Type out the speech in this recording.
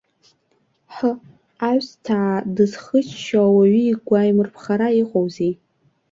Ҳы, аҩсҭаа дызхыччо ауаҩы игәаимырԥхара иҟоузеи.